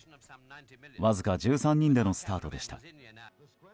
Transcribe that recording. わずか１３人でのスタートでした。